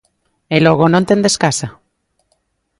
E logo, non tendes casa?